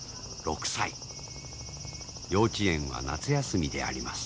幼稚園は夏休みであります。